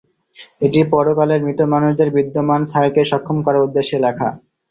এটি পরকালে মৃত মানুষদের বিদ্যমান থাকাকে সক্ষম করার উদ্দেশ্যে লেখা।